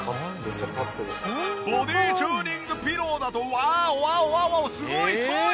ボディチューニングピローだとワオワオワオワオすごいすごい！